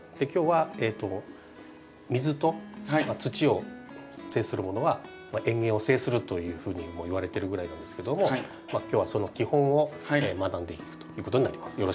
今日は水と土を制するものは園芸を制するというふうにもいわれてるぐらいなんですけども今日はその基本を学んでいくということになります。